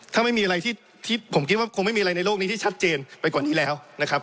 ถ้าไม่มีอะไรที่ผมคิดว่าคงไม่มีอะไรในโลกนี้ที่ชัดเจนไปกว่านี้แล้วนะครับ